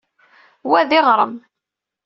Wa d iɣrem.